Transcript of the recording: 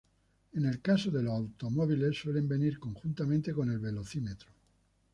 En el caso de los automóviles suelen venir conjuntamente con el velocímetro.